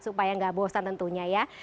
supaya nggak bosan tentunya ya